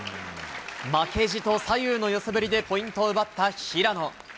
負けじと左右の揺さぶりでポイントを奪った平野。